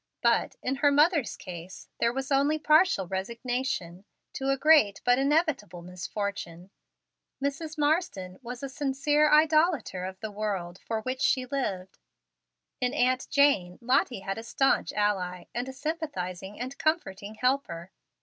But, in her mother's case, there was only partial resignation to a great but inevitable misfortune. Mrs. Marsden was a sincere idolater of the world for which she lived. In Aunt Jane, Lottie had a stanch ally, and a sympathizing and comforting helper.